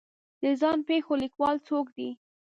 د ځان پېښو لیکوال څوک دی